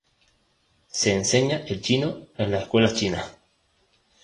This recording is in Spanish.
Se enseña el chino en las escuelas chinas.